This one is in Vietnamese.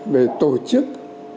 về tổ chức